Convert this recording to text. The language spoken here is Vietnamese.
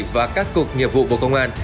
và các cục nghiệp vụ của công an